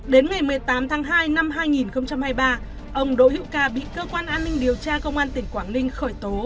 đến ngày một mươi tám tháng hai năm hai nghìn hai mươi ba ông đỗ hữu ca bị cơ quan an ninh điều tra công an tỉnh quảng ninh khởi tố